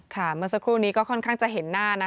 เมื่อสักครู่นี้ก็ค่อนข้างจะเห็นหน้านะ